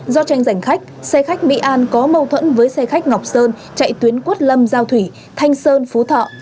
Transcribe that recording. do tranh giành khách xe khách mỹ an có mâu thuẫn với xe khách ngọc sơn chạy tuyến quốc lâm giao thủy thanh sơn phú thọ